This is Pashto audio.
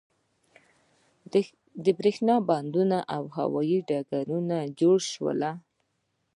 د بریښنا بندونه او هوایی ډګرونه جوړ شول.